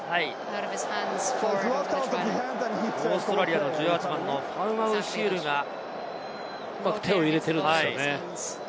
オーストラリアの１８番のタジェールがうまく手を入れているんですよね。